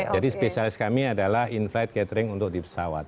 jadi spesialis kami adalah in flight catering untuk di pesawat